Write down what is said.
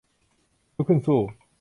ลุกขึ้นสู้